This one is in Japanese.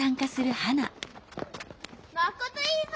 マコトいいぞ！